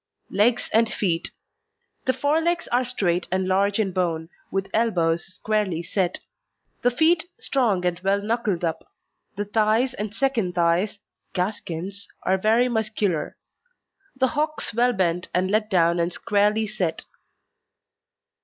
LEGS AND FEET The fore legs are straight and large in bone, with elbows squarely set; the feet strong and well knuckled up; the thighs and second thighs (gaskins) are very muscular; the hocks well bent and let down and squarely set.